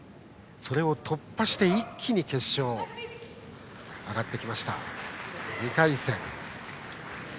それを突破して、一気に決勝へ上がってきました。